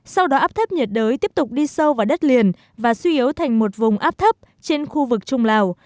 sau đó áp thấp nhiệt đới tiếp tục đi sâu vào đất liền và suy yếu thành một vùng áp thấp trên khu vực trung lào